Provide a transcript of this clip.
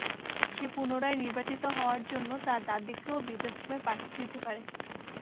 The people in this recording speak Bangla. সে পূণরায় নির্বাচিত হওয়ার জন্য তার দাদীকে ও বৃদ্ধাশ্রমে পাঠিয়ে দিতে পারে।